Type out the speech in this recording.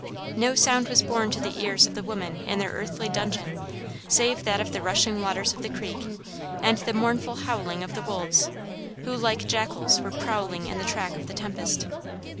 No sound was borne to the ears of the women in their earthly dungeon save that of the rushing waters of the creek and the mournful howling of wolves who, like jackals, were prowling in the track of the tempest.